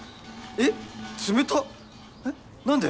えっ何で？